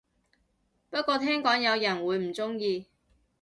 不過聽講有人會唔鍾意